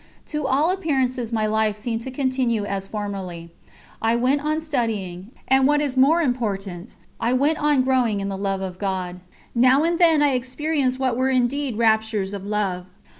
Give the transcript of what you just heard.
To all appearances my life seemed to continue as formerly. I went on studying, and, what is more important, I went on growing in the love of God. Now and then I experienced what were indeed raptures of love.